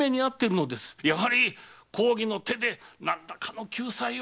やはり公儀の手で何らかの救済を。